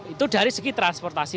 itu dari segi transportasi